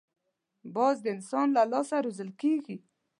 باز د انسان له لاس روزل کېږي